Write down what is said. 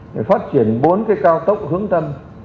để phát triển bốn cái cao tốc hướng tâm